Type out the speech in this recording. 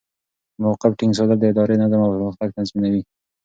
د موقف ټینګ ساتل د ادارې نظم او پرمختګ تضمینوي.